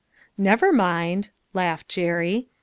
" Never mind," laughed Jerry.